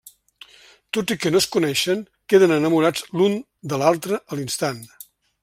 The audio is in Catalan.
Tot i que no es coneixen, queden enamorats l'un de l'altre a l'instant.